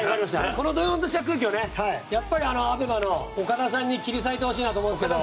このどよんとした空気をやっぱりＡＢＥＭＡの岡田さんに切り裂いてほしいなと思うんですが。